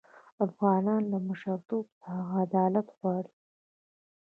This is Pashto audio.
افغانان له مشرتوب څخه عدالت غواړي.